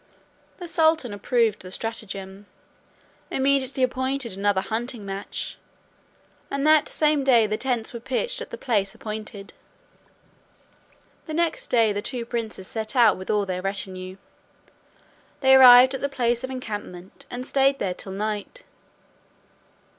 The sultan approving the stratagem, immediately appointed another hunting match. And that same day the tents were pitched at the place appointed. The next day the two princes set out with all their retinue; they arrived at the place of encampment, and stayed there till night.